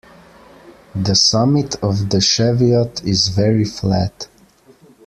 The summit of the Cheviot is very flat.